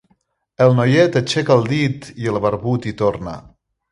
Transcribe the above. El noiet aixeca el dit i el barbut hi torna.